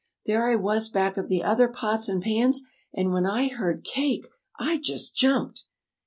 There I was back of the other pots and pans, and when I heard 'Cake' I just jumped!"